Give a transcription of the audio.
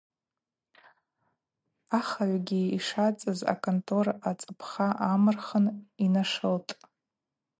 Ахыгӏвгьи йшацыз аконтор ацӏапха амырхын йнашылтӏ.